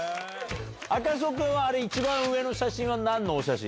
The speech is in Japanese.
赤楚君は一番上の写真は何のお写真？